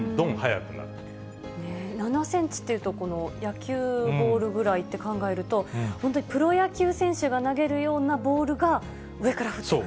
７センチというと、野球ボールぐらいって考えると、本当にプロ野球選手が投げるようなボールが、上から降ってくる。